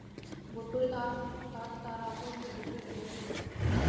বোধ করি তাহাতে তাঁহারা আশাভঙ্গের দুঃখই পাইয়াছিলেন।